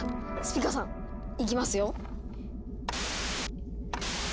スピカさんいきますよ。